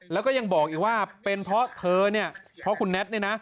แล้วก็ยังบอกอีกว่าเป็นเพราะเธอเนี่ยเพราะคุณแน็ตเนี่ยนะ